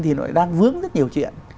thì nó đang vướng rất nhiều chuyện